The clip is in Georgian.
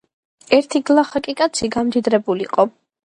ერთი გლახაკი კაცი გამდიდრებულიყო